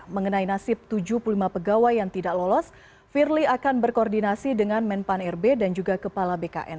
mengenai nasib tujuh puluh lima pegawai yang tidak lolos firly akan berkoordinasi dengan menpan rb dan juga kepala bkn